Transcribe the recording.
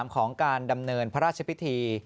ของการดำเนินพระราชพิธี